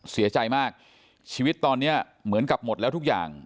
เสียใจมากชีวิตตอนนี้เหมือนกับหมดแล้วทุกอย่าง